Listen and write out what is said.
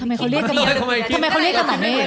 ทำไมเขาเรียกกับหมอเมฆอ่ะ